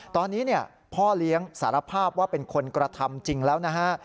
ตอนนี้พ่อเลี้ยงสารภาพว่าเป็นคนกระทำจริงแล้วนะฮะ